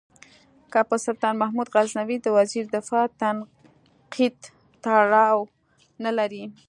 که په سلطان محمود غزنوي د وزیر دفاع تنقید تړاو نه لري.